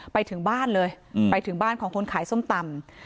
ไปถึงบ้านเลยไปถึงบ้านของคนขายส้มตำ